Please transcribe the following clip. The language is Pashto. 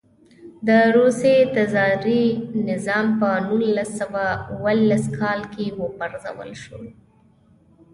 د روسیې تزاري نظام په نولس سوه اوولس کال کې و پرځول شو.